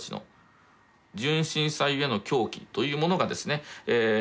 「純真さゆえの狂気」というものがですね